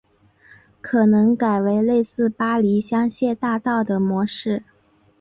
可能改为类似巴黎香榭大道的模式